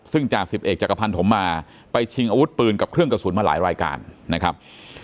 ซึ่งจ่าสิบเอกจักรพันธมมาไปชิงอาวุธปืนกับเครื่องกระสุนมาหลายรายการนะครับ